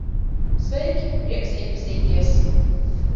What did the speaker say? Sveiki, prieks iepazīties.